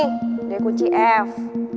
nih ada kunci f